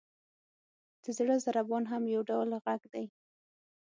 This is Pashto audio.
• د زړه ضربان هم یو ډول ږغ دی.